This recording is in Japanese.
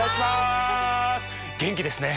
元気ですね。